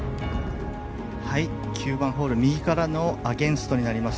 ９番ホール右からのアゲンストになります。